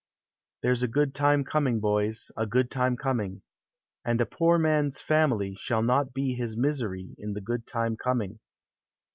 There 's a good time coining, boys, A good time coming : And a poor man's family Shall not be his misery In the good time coming.